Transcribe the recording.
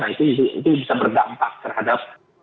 itu bisa berdampak terhadap